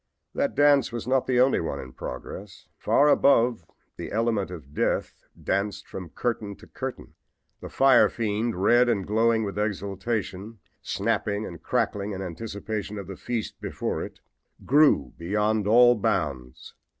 That dance was not the only one in progress. Far above the element of death danced from curtain to curtain. The fire fiend, red and glowing with exultation, snapping and crackling in anticipation of the feast before it, grew beyond all bounds.